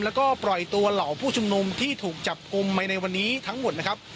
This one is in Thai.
แล้วก็ปล่อยตัวเหล่าผู้ชุมนุมที่ถูกจับกลุ่มไปในวันนี้ทั้งหมดนะครับ